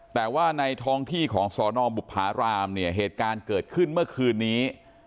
แต่ว่าในท้องที่ของสนบุภารามเนี่ยเหตุการณ์เกิดขึ้นเมื่อคืนนี้